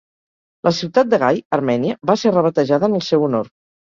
La ciutat de Gai, Armènia, va ser rebatejada en el seu honor.